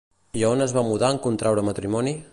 I a on es va mudar en contraure matrimoni?